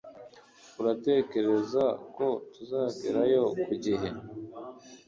Uratekereza ko tuzagerayo ku gihe?